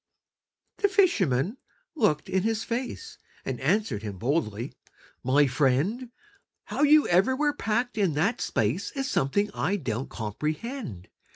The fisherman looked in his face, And answered him boldly: "My friend, How you ever were packed in that space Is something I don't comprehend.